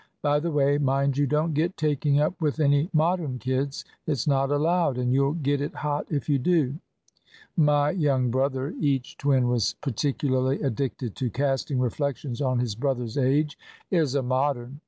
By the way, mind you don't get taking up with any Modern kids. It's not allowed, and you'll get it hot if you do. My young brother," (each twin was particularly addicted to casting reflections on his brother's age) "is a Modern.